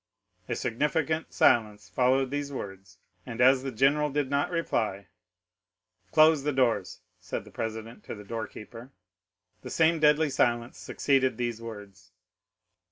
A significant silence followed these words, and as the general did not reply,—"Close the doors," said the president to the door keeper. 40042m "'The same deadly silence succeeded these words.